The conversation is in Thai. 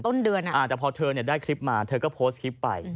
แต่พอเธอได้คลิปมาเธอก็โพสต์คลิปไป